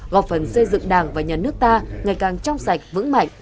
góp phần xây dựng đảng và nhà nước ta ngày càng trong sạch vững mạnh